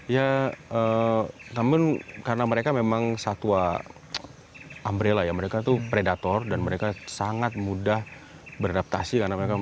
ya namun karena mereka memang satwa umbrella ya mereka tuh predator dan mereka sangat mudah beradaptasi karena mereka